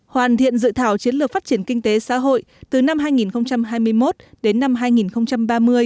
hoàn thiện dự thảo chiến lược phát triển kinh tế xã hội từ năm hai nghìn hai mươi một đến năm hai nghìn ba mươi